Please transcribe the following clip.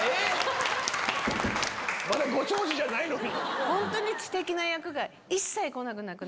まだご長寿じゃないのに。